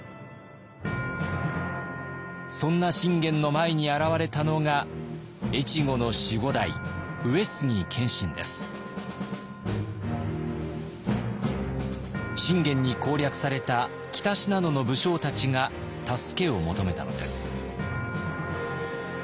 そんな信玄の前に現れたのが越後の守護代信玄に攻略された北信濃の武将たちが助けを求めたのです。